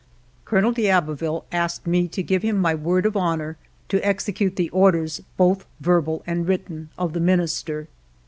Colonel d'Aboville asked me to give him my word of honor to execute the orders, both verbal and written, of the ALFRED DREYFUS 41 Minister.